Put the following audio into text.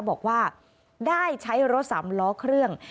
บอกว่าได้ใช้รถสามล้อเครื่อง